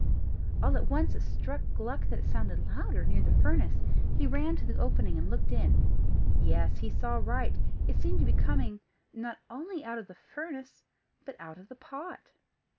All at once it struck Gluck that it sounded louder near the furnace. He ran to the opening, and looked in: yes, he saw right; it seemed to be coming, not only out of the furnace, but out of the pot.